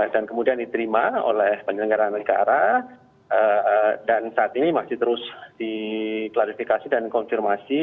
dan kemudian diterima oleh penyelenggaraan negara dan saat ini masih terus diklarifikasi dan konfirmasi